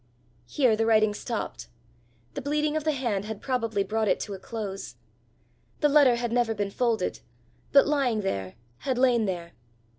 Here the writing stopped: the bleeding of the hand had probably brought it to a close. The letter had never been folded, but lying there, had lain there.